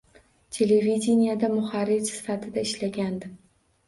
Televideniyada muharrir sifatida ishlagandim.